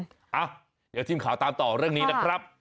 อ่ะเดี๋ยวทีมข่าวตามต่อเรื่องนี้นะครับ